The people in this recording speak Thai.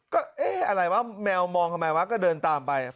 ก็เอ๊ะอะไรวะแมวมองทำไมวะก็เดินตามไป